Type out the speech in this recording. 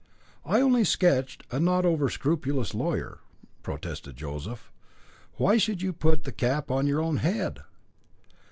"I only sketched a not over scrupulous lawyer," protested Joseph. "Why should you put the cap on your own head?"